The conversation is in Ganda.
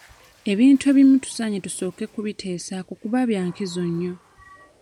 Ebintu ebimu tusaanye tusooke kubiteesaako kuba bya nkizo nnyo.